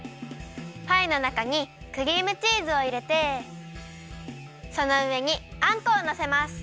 パイのなかにクリームチーズをいれてそのうえにあんこをのせます！